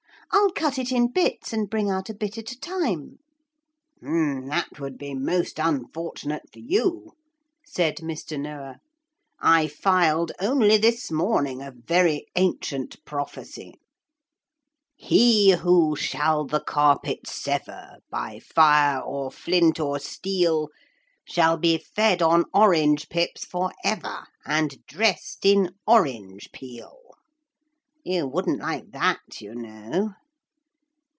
'I'll cut it in bits and bring out a bit at a time.' 'That would be most unfortunate for you,' said Mr. Noah. 'I filed only this morning a very ancient prophecy: 'He who shall the carpet sever, By fire or flint or steel, Shall be fed on orange pips for ever, And dressed in orange peel. You wouldn't like that, you know.'